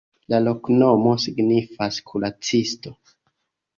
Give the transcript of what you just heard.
La loknomo signifas: "kuracisto".